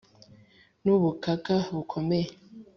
n'ubukaka bukomeye